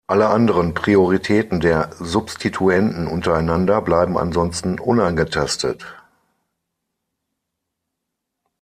Alle anderen Prioritäten der Substituenten untereinander bleiben ansonsten unangetastet.